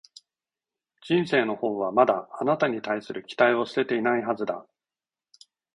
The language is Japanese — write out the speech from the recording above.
人生のほうはまだ、あなたに対する期待を捨てていないはずだ